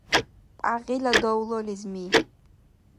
ПӀягъила давла — лезми.